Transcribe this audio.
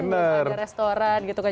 misalnya ada restoran gitu kan